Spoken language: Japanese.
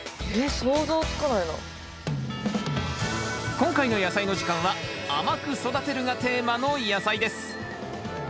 今回の「やさいの時間」は「甘く育てる」がテーマの野菜です。